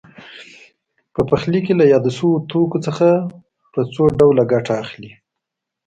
په پخلي کې له یادو شویو توکو څخه په څو ډوله ګټه اخلي.